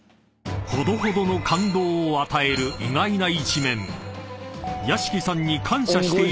［ほどほどの感動を与える意外な一面］